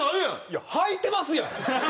いやはいてますやん！